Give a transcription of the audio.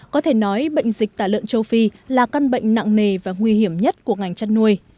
có thể nói bệnh dịch tả lợn châu phi là căn bệnh nặng nề và nguy hiểm nhất của ngành chăn nuôi